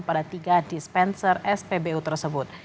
pada tiga dispenser spbu tersebut